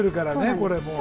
これもう。